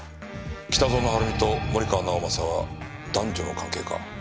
北園晴美と森川直政は男女の関係か。